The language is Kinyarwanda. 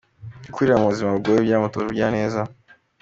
Gukurira mu buzima bugoye byamutoje ubugiraneza.